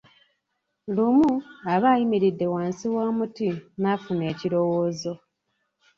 Lumu, aba ayimiridde wansi w'omuti n'afuna ekirowoozo.